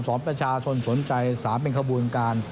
สอนประชาทนสนใจสารเป็นขบวนการ